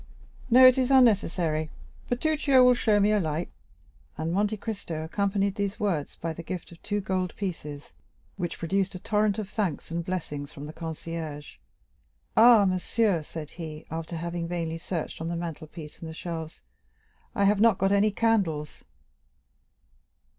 "No, it is unnecessary; Bertuccio will show me a light." And Monte Cristo accompanied these words by the gift of two gold pieces, which produced a torrent of thanks and blessings from the concierge. "Ah, monsieur," said he, after having vainly searched on the mantle piece and the shelves, "I have not got any candles."